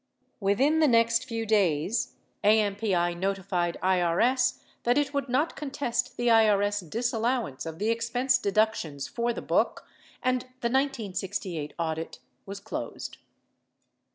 Within the next few days, AMPI notified IBS that it would not contest the IBS disallowance of the expense deduc tions for the book, and the 1968 audit was closed.